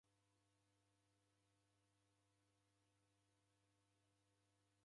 Nakwama, ngalemwa kucha.